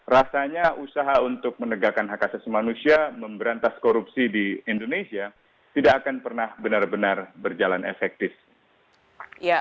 rasanya usaha untuk menegakkan hak asasi manusia memberantas korupsi di indonesia tidak akan pernah benar benar berjalan efektif